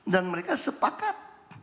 dan mereka sepakat